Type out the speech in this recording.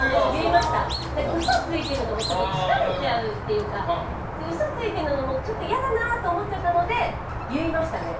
嘘ついてるのもちょっと疲れちゃうっていうか嘘ついてるのもちょっと嫌だなと思っちゃったので言いましたね。